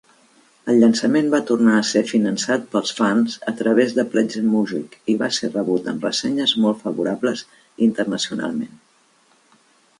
El llançament va tornar a ser finançat pels fans a través de Pledgemusic, i va ser rebut amb ressenyes molt favorables internacionalment.